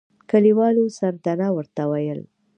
کلیوالو سردنه ورته ويل.